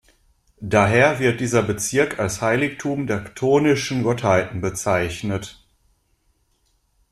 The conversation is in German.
Daher wird dieser Bezirk als Heiligtum der chthonischen Gottheiten bezeichnet.